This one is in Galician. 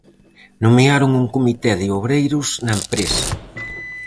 Nomearon un comité de obreiros na empresa.